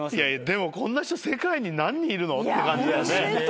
でも「こんな人世界に何人いるの？」って感じだよね。